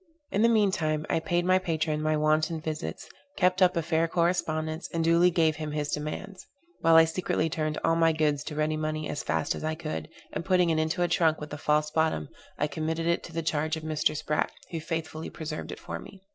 In the mean time, I paid my patron my wonted visits, kept up a fair correspondence, and duly gave him his demands; while I secretly turned all my goods to ready money as fast as I could, and putting it into a trunk with a false bottom, I committed it to the charge of Mr. Sprat who faithfully preserved it for me.